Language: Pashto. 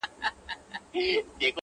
بس که! آسمانه نور یې مه زنګوه،